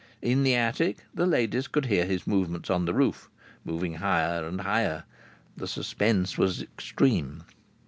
In the attic the ladies could hear his movements on the roof, moving higher and higher. The suspense was extreme.